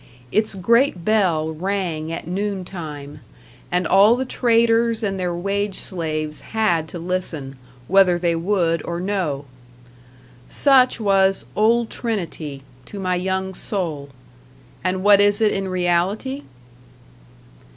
Its great bell rang at noon time, and all the traders and their wage slaves had to listen, whether they would or no! Such was Old Trinity to my young soul; and what is it in reality?